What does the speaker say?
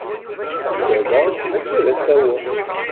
Uggadeɣ akka d asawen.